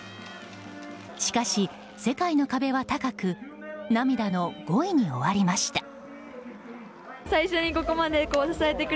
しかし、世界の壁は高く涙の５位に終わりました。